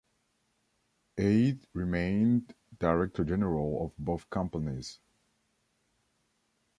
Eyde remained director-general of both companies.